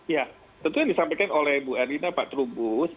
ya tentu yang disampaikan oleh bu erina pak trubus